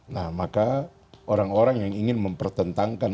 nah maka orang orang yang ingin mempertentangkan